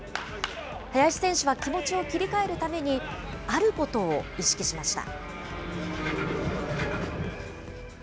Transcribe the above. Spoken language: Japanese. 林選手は気持ちを切り替えるために、あることを意識しました。